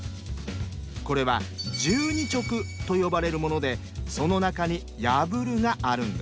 これは「十二直」と呼ばれるものでその中に「破」があるんです。